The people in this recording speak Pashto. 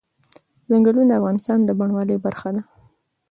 چنګلونه د افغانستان د بڼوالۍ برخه ده.